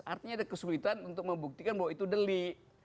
artinya ada kesulitan untuk membuktikan bahwa itu delik